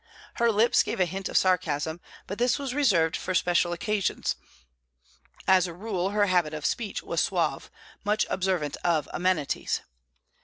Her lips gave a hint of sarcasm, but this was reserved for special occasions; as a rule her habit of speech was suave, much observant of amenities.